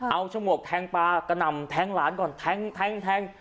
เอาฉมวกแทงปลากระหน่ำแทงหลานก่อนแทง